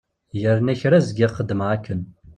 Yerna kra zgiɣ xeddmeɣ akken.